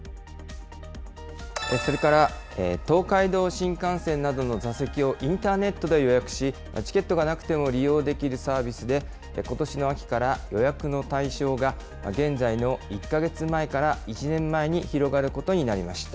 それから東海道新幹線などの座席をインターネットで予約し、チケットがなくても利用できるサービスで、ことしの秋から、予約の対象が現在の１か月前から１年前に広がることになりました。